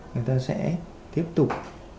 người ta sẽ tiếp tục